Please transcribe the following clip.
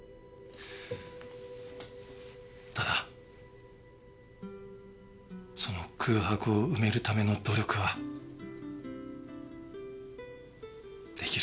ただその空白を埋めるための努力はできる。